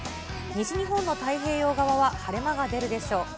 西日本の太平洋側は晴れ間が出るでしょう。